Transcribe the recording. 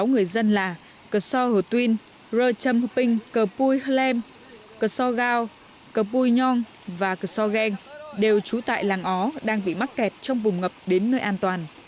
những người dân là cờ so hồ tuyên rơ trâm hữu pinh cờ pui hlem cờ so gao cờ pui nhong và cờ so geng đều trú tại làng ó đang bị mắc kẹt trong vùng ngập đến nơi an toàn